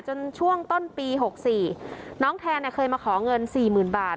จนช่วงต้นปีหกสี่น้องแทนเนี่ยเคยมาขอเงินสี่หมื่นบาท